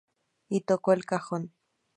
Y tocó el cajón.